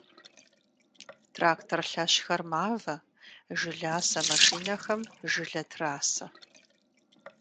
Трактор лъэщхэр мавэ, жыласэ машинэхэм жылэ трасэ.